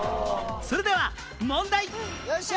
それでは問題